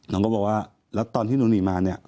น้องก็บอกว่าแล้วตอนที่หนูหนีมาเนี่ย